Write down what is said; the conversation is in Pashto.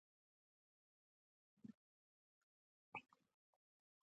ژبو يې شوتله ټولوله.